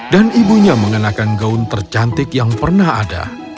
dan ibunya mengenakan gaun tercantik yang pernah ada